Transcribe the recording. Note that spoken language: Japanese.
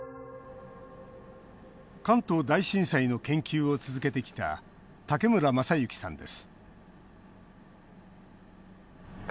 関東大震災の研究を続けてきた武村雅之さんです